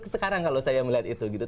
sekarang kalau saya melihat itu gitu